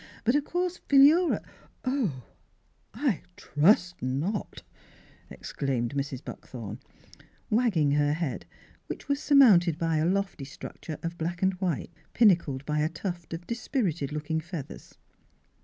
But of course Phi lura —"" Oh, I trust not," exclaimed Mrs. Buckthorn, wagging her head, which wag surmounted by a lofty structure of black and white, pinnacled by a tuft of dispirited looking feathers.